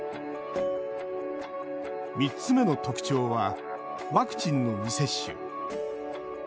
３つ目の特徴はワクチンの未接種。